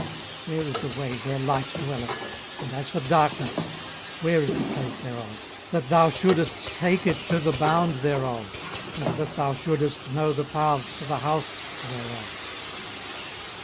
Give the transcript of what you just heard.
18:038:019 Where is the way where light dwelleth? and as for darkness, where is the place thereof, 18:038:020 That thou shouldest take it to the bound thereof, and that thou shouldest know the paths to the house thereof?